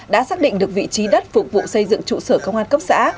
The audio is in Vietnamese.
đã xác định được vị trí đất phục vụ xây dựng trụ sở công an cấp xã